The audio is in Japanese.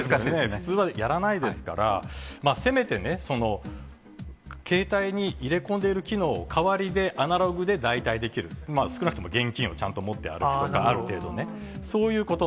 普通はやらないですから、せめて、携帯に入れ込んでいる機能を代わりで、アナログ代替できる、少なくとも現金をちゃんと持って歩くとか、ある程度ね、そういうこと。